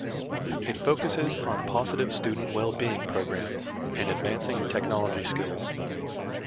It focuses on positive student well being programs and advancing technology skills.